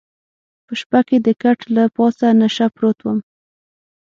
په شپه کې د کټ له پاسه نشه پروت وم.